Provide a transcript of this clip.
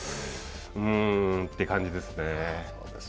うーんって感じですね。